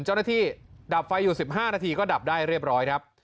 เจ้าหน้าที่ดับไฟอยู่๑๕นาทีก็ดับได้เรียบร้อยครับ